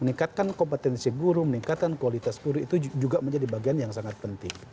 meningkatkan kompetensi guru meningkatkan kualitas guru itu juga menjadi bagian yang sangat penting